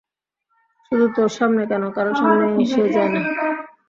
শুধু তোর সামনে কেন, কারো সামনেই সে যায় না।